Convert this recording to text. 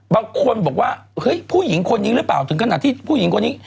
บางคนบอกว่าเฮ้ยผู้หญิงคนนี้หรือเปล่าถึงขนาดที่ผู้หญิงคนนี้